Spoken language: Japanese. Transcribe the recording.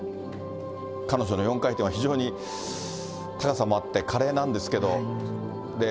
彼女の４回転は、非常に高さもあって、華麗なんですけど。